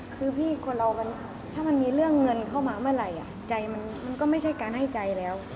คือพี่คนเราถ้ามันมีเรื่องเงินเข้ามาเมื่อไหร่ใจมันก็ไม่ใช่การให้ใจแล้ว